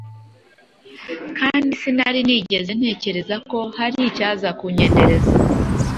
kandi sinari nigeze ntekereza ko hari icyaza kunyendereza